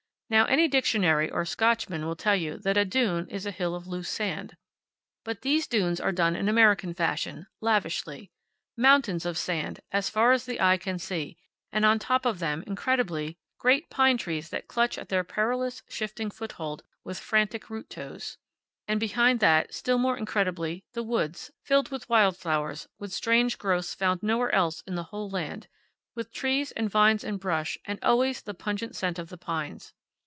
Now, any dictionary or Scotchman will tell you that a dune is a hill of loose sand. But these dunes are done in American fashion, lavishly. Mountains of sand, as far as the eye can see, and on the top of them, incredibly, great pine trees that clutch at their perilous, shifting foothold with frantic root toes. And behind that, still more incredibly, the woods, filled with wild flowers, with strange growths found nowhere else in the whole land, with trees, and vines, and brush, and always the pungent scent of the pines.